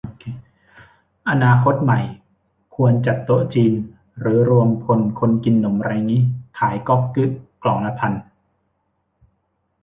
อนาคตใหม่ควรจัดโต๊ะจีน หรือรวมพลคนกินหนมไรงี้ ขายก็อกกึ้กล่องละพัน